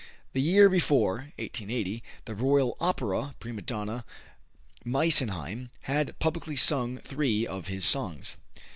The year before (1880), the Royal Opera prima donna, Meysenheim, had publicly sung three of his songs.